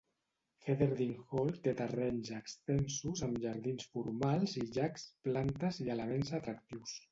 Heatherden Hall té terrenys extensos amb jardins formals i llacs, plantes i elements atractius.